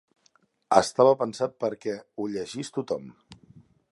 Estava pensat perquè ho llegís tothom.